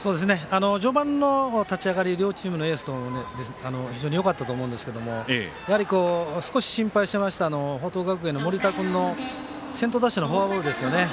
序盤の立ち上がり両チームのエースとも非常によかったと思うんですけどやはり、少し心配してました報徳学園の盛田君の先頭打者のフォアボールですよね。